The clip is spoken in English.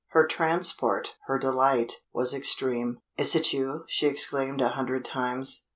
Her transport, her delight, was extreme. "Is it you?" she exclaimed a hundred times.